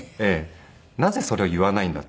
なぜそれを言わないんだと。